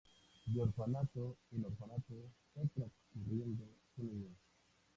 De orfanato en orfanato fue transcurriendo su niñez.